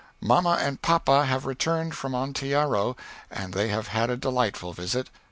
Mamma and papa have returned from Onteora and they have had a delightful visit.